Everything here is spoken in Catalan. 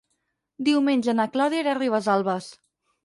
Diumenge na Clàudia irà a Ribesalbes.